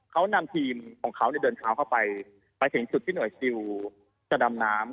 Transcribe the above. เขานำทีมของเขาเนี่ยเดินเท้าเข้าไปไปถึงจุดที่หน่วยซิลจะดำน้ำ